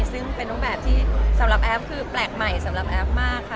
ซึ่งเป็นรูปแบบที่สำหรับแอฟคือแปลกใหม่สำหรับแอฟมากค่ะ